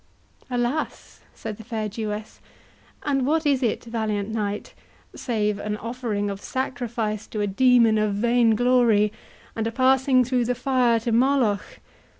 "Alas!" said the fair Jewess, "and what is it, valiant knight, save an offering of sacrifice to a demon of vain glory, and a passing through the fire to Moloch?